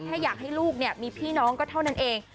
แค่อยากให้ลูกมีพี่น้องก็เท่านั้นเอง